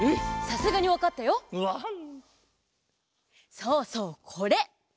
そうそうこれ！